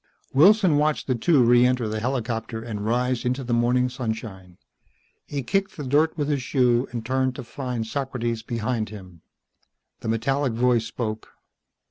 Wilson watched the two re enter the helicopter and rise into the morning sunshine. He kicked the dirt with his shoe and turned to find Socrates behind him. The metallic voice spoke.